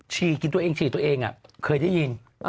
ฉี่กินตัวเองฉี่ตัวเองเคยได้ยิน